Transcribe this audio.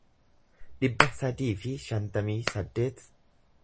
dhibba sadii fi shantamii saddeet